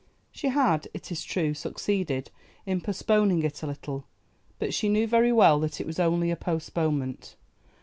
She had, it is true, succeeded in postponing it a little, but she knew very well that it was only a postponement.